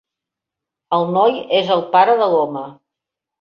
El noi és el pare de l'home.